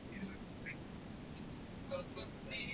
kupanda kwa thamani ya sarafu ya china ya yuan